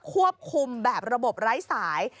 ควบคุมแบบระบบไร้สาย